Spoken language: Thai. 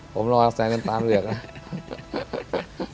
ผมรอแซนจนตาเหลือกแล้ว